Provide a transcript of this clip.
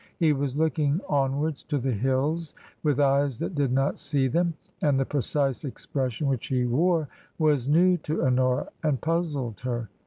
He was looking on wards to the hills with eyes that did not see them, and the precise expression which he wore was new to Honora and puzzled her.